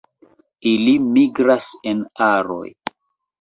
Ili migras en aroj.